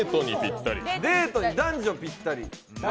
デートに、男女にぴったり。